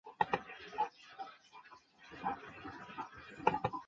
反射镜通过沿单轴在白天跟踪太阳。